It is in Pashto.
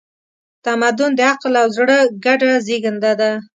تمدن د عقل او زړه ګډه زېږنده ده.